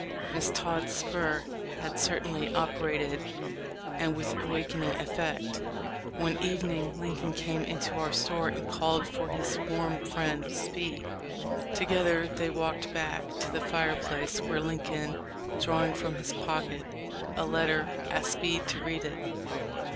Miss Todd's spur had certainly operated and with awakening effect. One evening Lincoln came into our store and called for his warm friend Speed. Together they walked back to the fireplace, where Lincoln, drawing from his pocket a letter, asked Speed to read it.